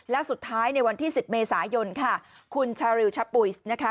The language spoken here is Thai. แล้วสุดท้ายในวันที่๑๐เมษายนค่ะคุณชาริวชะปุยสนะคะ